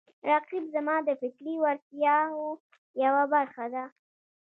رقیب زما د فکري وړتیاو یوه برخه ده